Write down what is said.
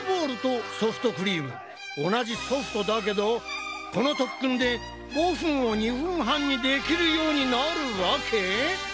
同じ「ソフト」だけどこの特訓で５分を２分半にできるようになるわけ？